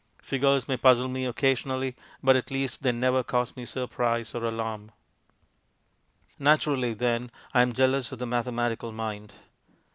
Figures may puzzle me occasionally, but at least they never cause me surprise or alarm. Naturally, then, I am jealous for the mathematical mind.